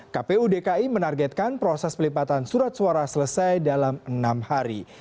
kpu dki menargetkan proses pelipatan surat suara selesai dalam enam hari